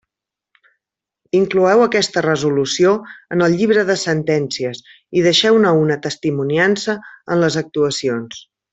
Incloeu aquesta resolució en el llibre de sentències i deixeu-ne una testimoniança en les actuacions.